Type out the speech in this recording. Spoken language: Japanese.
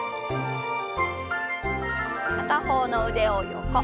片方の腕を横。